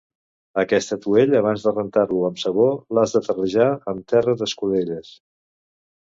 Aquest atuell, abans de rentar-lo amb sabó, l'has de terrejar amb terra d'escudelles.